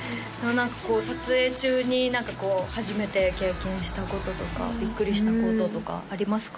撮影中に何かこう初めて経験したこととかビックリしたこととかありますか？